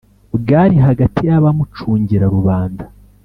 bwari hagati y' abamucungira rubanda